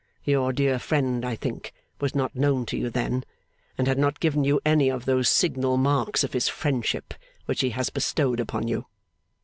Your dear friend, I think, was not known to you then, and had not given you any of those signal marks of his friendship which he has bestowed upon you.